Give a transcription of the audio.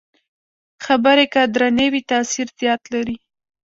خبرې که درنې وي، تاثیر زیات لري